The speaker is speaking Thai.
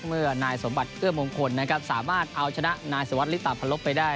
เมื่อนายสมบัติเอื้อมงคลนะครับสามารถเอาชนะนายสุวัสดลิตาพันลบไปได้